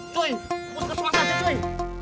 coy kamu harus masuk masa deh coy